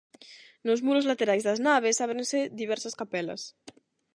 Nos muros laterais das naves ábrense diversas capelas.